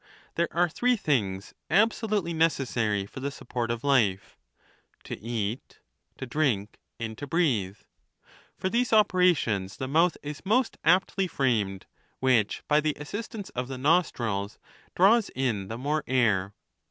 There are three things absohitely necessary for the support of life — to eat, to drink, and to breathe. For these operations the mouth is most aptly framed, which, by the assistance of the nostrils, draws in the more air.